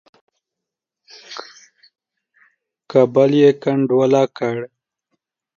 کابل یې کنډواله کړ.